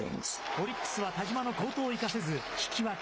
オリックスは田嶋の好投を生かせず、引き分け。